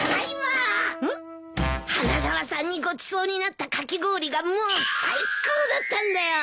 花沢さんにごちそうになったかき氷がもう最高だったんだよ！